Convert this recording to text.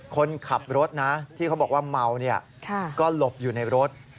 คนขับรถนะที่เขาบอกว่าเมาก็หลบอยู่ในรถ